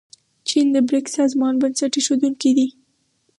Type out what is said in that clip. چین د بریکس سازمان بنسټ ایښودونکی دی.